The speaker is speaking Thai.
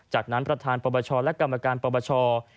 จากนั้นประธานประวัติรัชน์และกรรมการประวัติอบาทประวัติอาชีพ